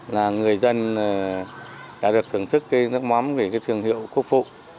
là người dân đã được thưởng thức cái nước mắm về cái thương hiệu quốc phụ